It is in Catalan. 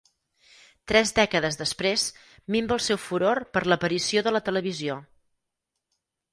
Tres dècades després, minva el seu furor per l'aparició de la televisió.